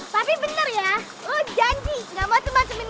tapi jangan dulu naik neng